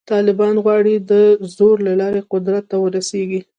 طالبان غواړي د زور له لارې قدرت ته ورسېږي.